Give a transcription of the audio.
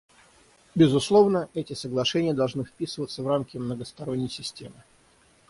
Безусловно, эти соглашения должны вписываться в рамки многосторонней системы.